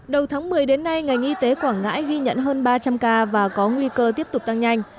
đầu tháng một mươi đến nay ngành y tế quảng ngãi ghi nhận hơn ba trăm linh ca và có nguy cơ tiếp tục tăng nhanh